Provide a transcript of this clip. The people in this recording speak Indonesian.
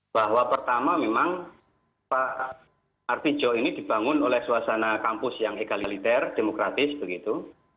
bahwa pertama memang pak artijo ini dibangun oleh suasana kampus yang egaliliter demokratis begitu